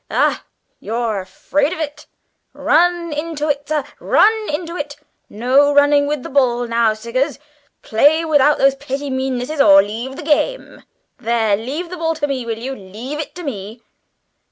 Ah, you're afraid of it! Run into it, sir, run into it! No running with the ball now, Siggers; play without those petty meannesses, or leave the game! There, leave the ball to me, will you leave it to me!"